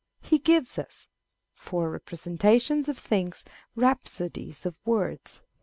He gives us, for representations of things, rhapsodies of words.